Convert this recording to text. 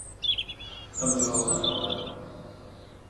També hi va votar a favor.